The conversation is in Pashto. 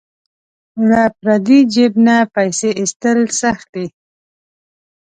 له پردي جیب نه پیسې ایستل سخت دي.